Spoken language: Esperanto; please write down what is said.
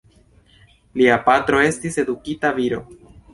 Lia patro estis edukita viro.